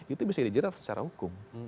itu bisa dijerat secara hukum